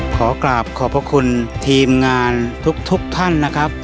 ขอกราบขอบพระคุณทีมงานทุกท่านนะครับ